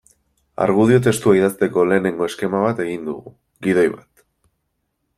Argudio testua idazteko lehenengo eskema bat egin dugu, gidoi bat.